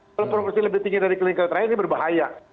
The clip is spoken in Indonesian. kalau proporsi lebih tinggi dari clinical trial ini berbahaya